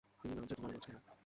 ঠিক লাঞ্চ আর ডিনারের মাঝখানে।